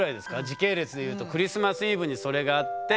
時系列でいうとクリスマスイブにそれがあって。